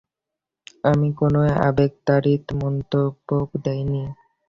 আমি কোনও আবেগতাড়িত মন্তব্য দেইনি।